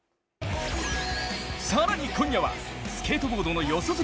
更に今夜はスケートボードの四十住